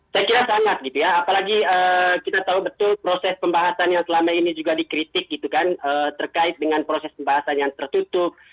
saya kira sangat gitu ya apalagi kita tahu betul proses pembahasan yang selama ini juga dikritik gitu kan terkait dengan proses pembahasan yang tertutup